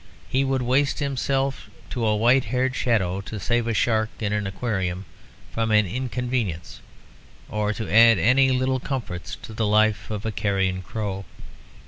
He would waste himself to a white haired shadow to save a shark in an aquarium from inconvenience or to add any little comforts to the life of a carrion crow.